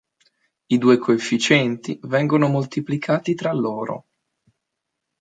I due coefficienti vengono moltiplicati tra loro.